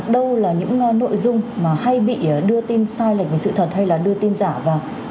đâu là những nội dung mà hay bị đưa tin sai lệch về sự thật hay là đưa tin giả vào